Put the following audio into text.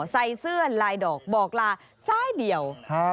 ใส่เสื้อลายดอกบอกลาซ้ายเดียว